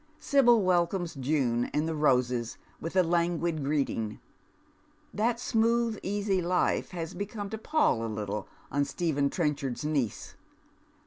Sibyl welcomes June and the roses with a languid greeting. That smooth, easy life has begun to palJ a little on Stephen 86 Dead Wen's Shoes. Trenchard's niece.